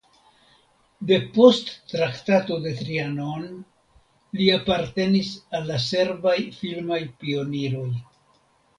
Depost Traktato de Trianon li apartenis al la serbaj filmaj pioniroj.